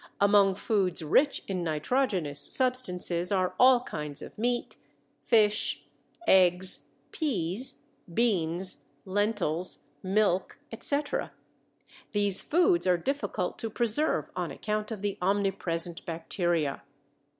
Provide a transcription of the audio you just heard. Among foods rich in nitrogenous substances are all kinds of meat, fish, eggs, peas, beans, lentils, milk, etc. These foods are difficult to preserve on account of the omnipresent bacteria.